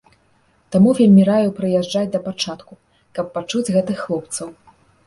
Таму вельмі раю прыязджаць да пачатку, каб пачуць гэтых хлопцаў.